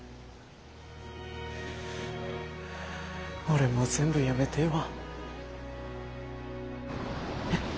俺もう全部やめてえわ。